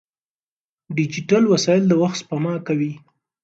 ډیجیټل وسایل د وخت سپما کوي.